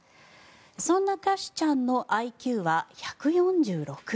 そんなカシュちゃんのＩＱは１４６。